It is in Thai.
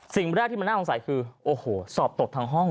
สิ่งแรกที่มันน่าสงสัยคือโอ้โหสอบตกทางห้อง